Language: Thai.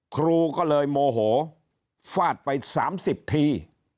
ครูก็เลยโมโหฝาดไปสามสิบที